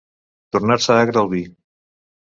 Tornar-se agre el vi.